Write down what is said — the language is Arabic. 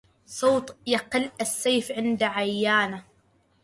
سوط يقل السيف عند عيانه